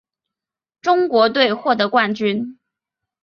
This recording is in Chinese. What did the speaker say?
中国队获得冠军。